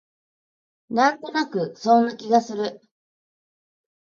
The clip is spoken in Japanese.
なんとなくそんな気がする